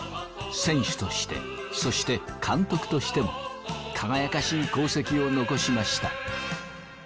選手としてそして監督としても輝かしい功績を残しました。